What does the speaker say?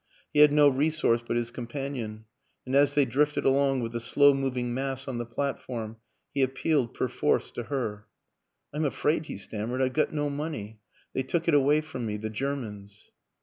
He had no resource but his companion, and, as they drifted along with the slow moving mass on the platform, he appealed perforce to her. " I'm afraid," he stammered, " I've got no money. They took it away from me the Ger mans."